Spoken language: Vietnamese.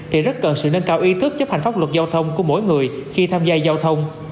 thì rất cần sự nâng cao ý thức chấp hành pháp luật giao thông của mỗi người khi tham gia giao thông